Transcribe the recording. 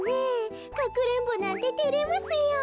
かくれんぼなんててれますよ。